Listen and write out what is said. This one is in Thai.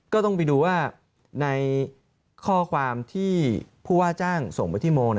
ก็ต้องไปดูว่าในข้อความที่ผู้ว่าจ้างส่งไปที่โม